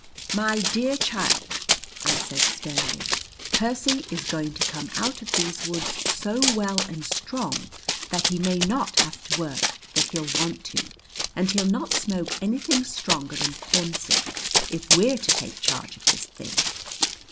"My dear child," I said sternly, "Percy is going to come out of these woods so well and strong that he may not have to work, but he'll want to. And he'll not smoke anything stronger than corn silk, if we're to take charge of this thing."